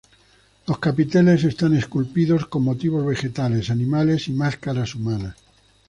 Los capiteles están esculpidos con motivos vegetales, animales y máscaras humanas.